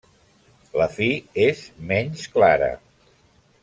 La fi és menys clara.